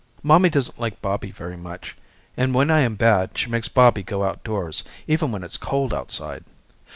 Mommy doesn't like Bobby very much and when I am bad she makes Bobby go outdoors even when it's cold outside.